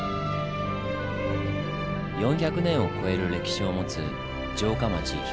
４００年を超える歴史を持つ城下町彦根。